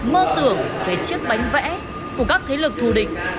mơ tưởng về chiếc bánh vẽ của các thế lực thù địch